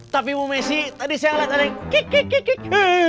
tapi ibu mesih tadi saya lihat ada yang kikikikik